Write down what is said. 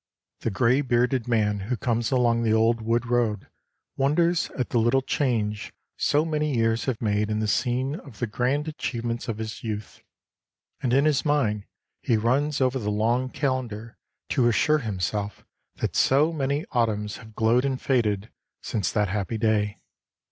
The gray bearded man who comes along the old wood road wonders at the little change so many years have made in the scene of the grand achievements of his youth, and in his mind he runs over the long calendar to assure himself that so many autumns have glowed and faded since that happy day.